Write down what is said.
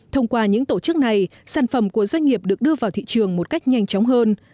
thông qua những tổ chức này sản phẩm của doanh nghiệp được đưa vào thị trường một cách nhanh chóng hơn